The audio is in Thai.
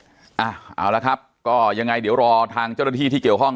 เอาละครับก็ยังไงเดี๋ยวรอทางเจ้าหน้าที่ที่เกี่ยวข้อง